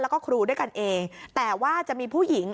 แล้วก็ครูด้วยกันเองแต่ว่าจะมีผู้หญิง